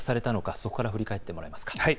そこから振り返ってもらえますか。